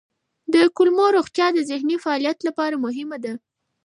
د کولمو روغتیا د ذهني فعالیت لپاره مهمه ده.